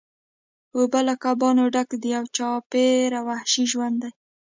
اوبه له کبانو ډکې دي او چاپیره وحشي ژوند دی